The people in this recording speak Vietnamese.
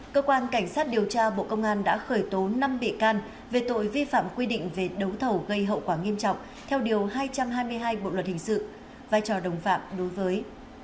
cơ quan cảnh sát điều tra bộ công an đã khởi tố năm bị can về tội vi phạm quy định về đấu thầu gây hậu quả nghiêm trọng theo điều hai trăm hai mươi hai bộ luật hình sự vai trò đồng phạm đối với